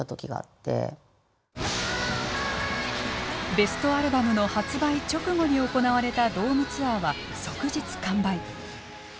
ベストアルバムの発売直後に行われたドームツアーは即日完売。